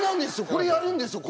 これやるんですよ